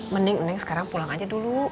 mending sekarang pulang aja dulu